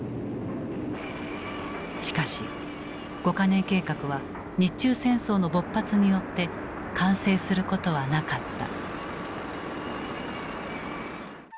しかし５ヵ年計画は日中戦争の勃発によって完成することはなかった。